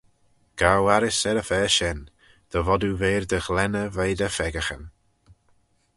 Gow arrys er-y-fa shen, dy vod oo v'er dty ghlenney veih dty pheccaghyn.